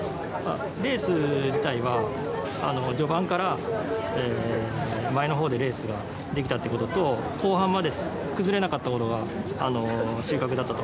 レース自体は序盤から前の方でレースができたということと後半まで崩れなかったことが収穫だったと。